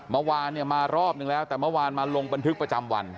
เมื่อวานเนี่ยมารอบนึงแล้วแต่เมื่อวานมาลงบันทึกประจำวัน